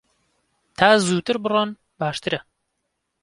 تا زووتر بڕۆن باشترە.